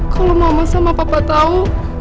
kalau mama sama papa tahu